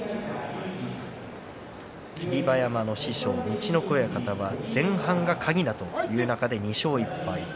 霧馬山の師匠、陸奥親方は前半が鍵だという中で２勝１敗。